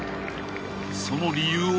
［その理由は］